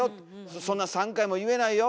そんな３回も言えないよ。